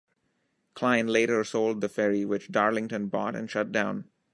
Klein later sold the ferry, which Darlington bought and shut down.